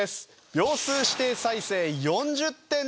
秒数指定再生４０点です。